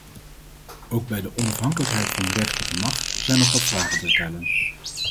Ook bij de onafhankelijkheid van de rechterlijke macht zijn nog wat vragen te stellen.